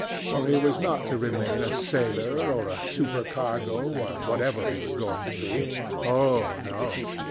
For he was not to remain a sailor, or a supercargo, or whatever he was going to be. Oh, no!